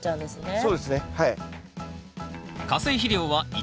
そうですねはい。